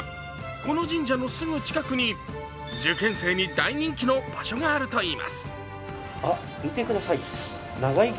この神社のすぐ近くに受験生に大人気の場所があるといいます。